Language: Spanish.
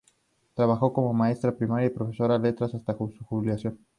Trabajó como maestra primaria y profesora de letras hasta su jubilación.